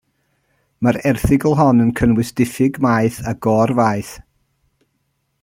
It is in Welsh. Mae'r erthygl hon yn cynnwys diffyg maeth a gor faeth.